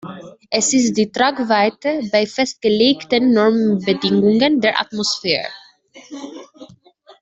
Es ist die Tragweite bei festgelegten Normbedingungen der Atmosphäre.